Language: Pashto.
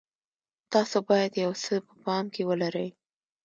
تاسو باید یو څه په پام کې ولرئ.